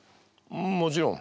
もちろん。